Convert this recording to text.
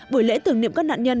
buổi lễ tưởng niệm các nạn nhân